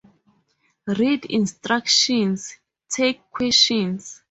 Read Instructions. Take questions.